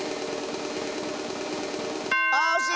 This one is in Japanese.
あおしい！